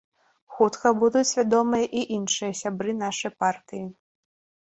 Хутка будуць вядомыя і іншыя сябры нашай партыі.